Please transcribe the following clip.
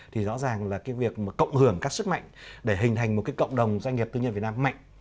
thì rõ ràng việc cộng hưởng các sức mạnh để hình thành một cộng đồng doanh nghiệp tư nhân việt nam mạnh